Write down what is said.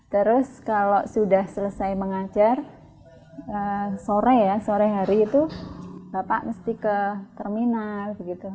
terus kalau sudah selesai mengajar sore ya sore hari itu bapak mesti ke terminal